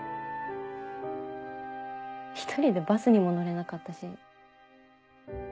１人でバスにも乗れなかったし。